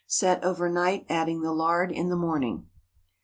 Set over night, adding the lard in the morning.